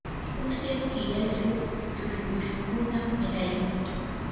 usya killachu chukllushkuna mirayan.